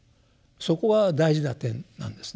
そこが大事な点なんですね。